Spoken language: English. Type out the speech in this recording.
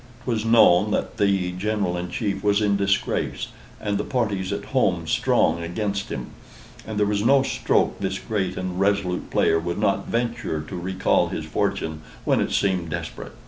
'Twas known that the General in Chief was in disgrace, and the parties at home strong against him, and there was no stroke this great and resolute player would not venture to recall his fortune when it seemed desperate.